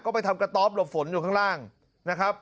ก็ไปทำกระต๊อบหลบฝนอยู่ข้างล่างนะครับ